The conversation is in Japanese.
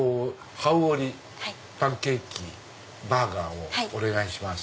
ハウオリパンケーキバーガーをお願いします。